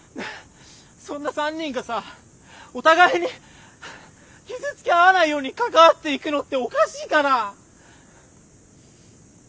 そんな３人がさお互いに傷つけ合わないように関わっていくのっておかしいかな。